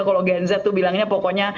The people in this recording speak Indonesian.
kalau gen z tuh bilangnya pokoknya